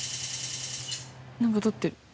なんか撮ってる。